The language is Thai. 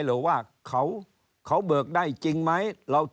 หรือว่าเขาเบิกได้จริงไหม